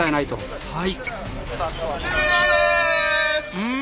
うん！